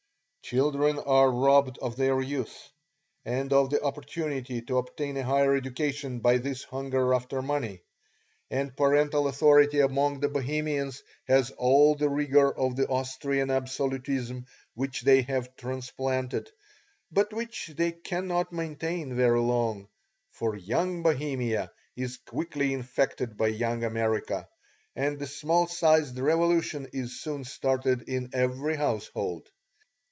Children are robbed of their youth and of the opportunity to obtain a higher education by this hunger after money, and parental authority among the Bohemians has all the rigour of the Austrian absolutism which they have transplanted, but which they cannot maintain very long, for young Bohemia is quickly infected by young America, and a small sized revolution is soon started in every household.